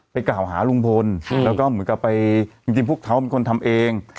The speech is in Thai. กล่าวหาลุงพลแล้วก็เหมือนกับไปจริงพวกเขาเป็นคนทำเอง